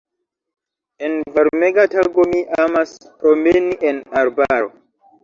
En varmega tago mi amas promeni en arbaro.